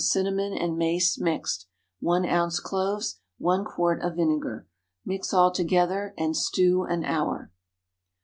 cinnamon and mace mixed. 1 oz. cloves. 1 quart of vinegar. Mix all together and stew an hour.